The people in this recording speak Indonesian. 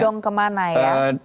condong kemana ya